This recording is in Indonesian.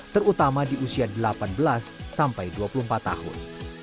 terutama di usia delapan belas sampai dua puluh empat tahun